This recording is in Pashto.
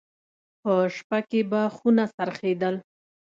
په شپه کې به خونه څرخېدل.